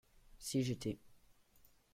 Si j'étais.